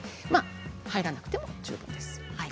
入らなくても十分です。